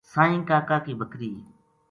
سائیں کاکا کی بکری